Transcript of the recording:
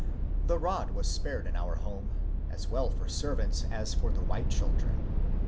The rod was spared in our home, as well for servants as for the white children.